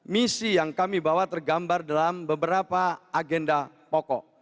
misi yang kami bawa tergambar dalam beberapa agenda pokok